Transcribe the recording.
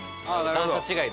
段差違いで。